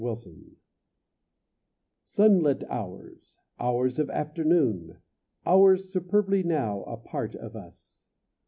XXX "Sun lit Hours," "Hours of Afternoon," Hours superbly now a part of us!